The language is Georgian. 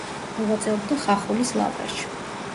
მოღვაწეობდა ხახულის ლავრაში.